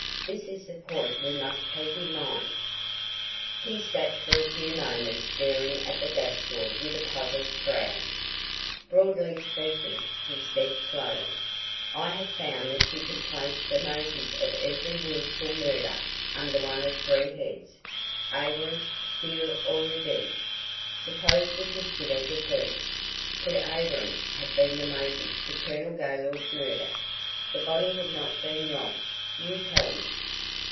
This is the point we must keep in mind." He sat for a few moments staring at the dashboard with a puzzled frown. "Broadly speaking," he said slowly, "I have found that you can place the motive of every wilful murder under one of three heads avarice, fear or revenge. Suppose we consider the first. Could avarice have been the motive for Colonel Gaylord's murder? The body had not been robbed, you tell me?"